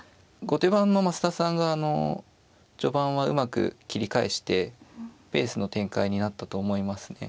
後手番の増田さんがあの序盤はうまく切り返してペースの展開になったと思いますね。